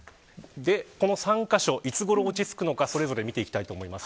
この３カ所、いつごろ落ち着くのかそれぞれ見ていきたいと思います。